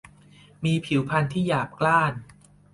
มีผิวพรรณที่หยาบกร้าน